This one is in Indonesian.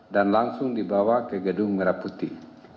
dan langsung dibawa ke gedung merah putih